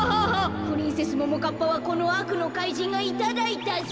プリンセスももかっぱはこのあくのかいじんがいただいたぞ。